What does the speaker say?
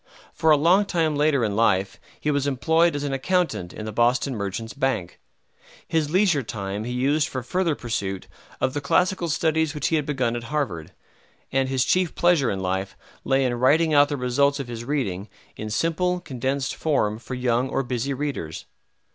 For a long time later in life he was employed as an accountant in the Boston Merchants' Bank. His leisure time he used for further pursuit of the classical studies which he had begun at Harvard, and his chief pleasure in life lay in writing out the results of his reading, in simple, condensed form for young or busy readers.